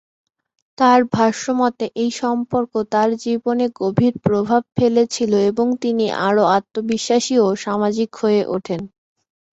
তার ভাষ্যমতে এই সম্পর্ক তার জীবনে গভীর প্রভাব ফেলেছিল এবং তিনি আরও আত্মবিশ্বাসী ও সামাজিক হয়ে ওঠেন।